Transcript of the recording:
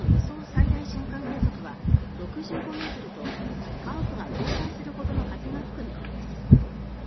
最大瞬間風速は６５ｍと家屋が倒壊するほどの風が吹く見込みです。